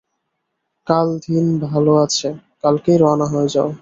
কাল দিন ভালো আছে, কালকেই রওনা হয়ে যাও।